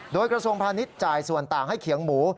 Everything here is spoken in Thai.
โดยกระทรวงพาณิชย์จ่ายส่วนต่างให้เขียงหมู